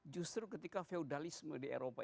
justru ketika feudalisme di eropa